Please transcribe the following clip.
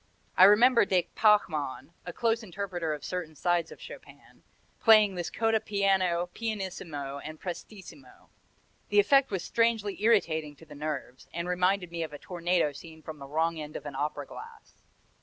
I remember de Pachmann a close interpreter of certain sides of Chopin playing this coda piano, pianissimo and prestissimo. The effect was strangely irritating to the nerves, and reminded me of a tornado seen from the wrong end of an opera glass.